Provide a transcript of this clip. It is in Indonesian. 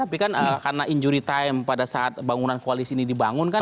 tapi kan karena injury time pada saat bangunan koalisi ini dibangun kan